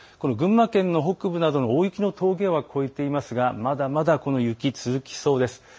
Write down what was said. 群馬県の北部などの大雪の峠は越えていますがまだまだこの雪、続きそうです。